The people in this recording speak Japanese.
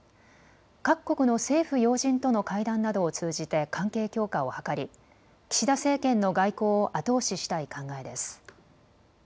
各国の政府要人との会談などを通じて関係強化を図り岸田政権の外交を後押ししたい考えです。